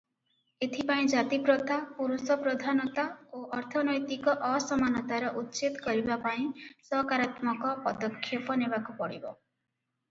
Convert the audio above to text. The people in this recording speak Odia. ଏଥିପାଇଁ ଜାତିପ୍ରଥା, ପୁରୁଷପ୍ରଧାନତା ଓ ଅର୍ଥନୈତିକ ଅସମାନତାର ଉଚ୍ଛେଦ କରିବା ପାଇଁ ସକାରାତ୍ମକ ପଦକ୍ଷେପ ନେବାକୁ ପଡ଼ିବ ।